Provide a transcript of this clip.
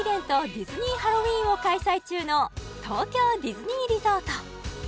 ディズニー・ハロウィーンを開催中の東京ディズニーリゾート